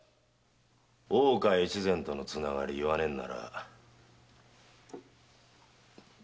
大岡越前とのつながり言わねえんなら。